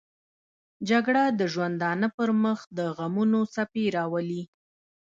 جګړه د ژوندانه پر مخ دغمونو څپې راولي